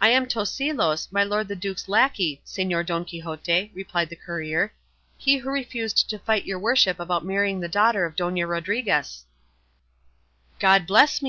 "I am Tosilos, my lord the duke's lacquey, Señor Don Quixote," replied the courier; "he who refused to fight your worship about marrying the daughter of Dona Rodriguez." "God bless me!"